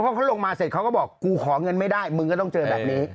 เพราะเขาลงมาเสร็จเขาก็บอกกูขอเงินไม่ได้มึงก็ต้องเจอแบบนี้